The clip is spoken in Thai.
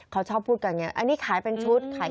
เขาชอบพูดกันอย่างนี้อันนี้ขายเป็นชุด